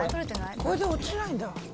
これで落ちないんだ。